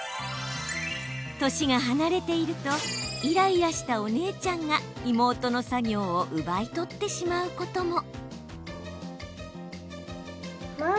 年が離れているとイライラしたお姉ちゃんが妹の作業を奪い取ってしまうことも。